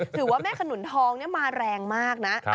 ถือว่าแม่ขนุนทองมาแรงมากนะ